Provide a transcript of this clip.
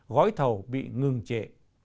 gói thầu bị ngừng trễ